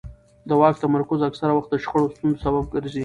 د واک تمرکز اکثره وخت د شخړو او ستونزو سبب ګرځي